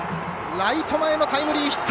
ライト前のタイムリーヒット！